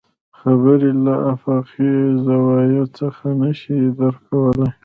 خبرې له افاقي زاويو څخه نه شي درک کولی.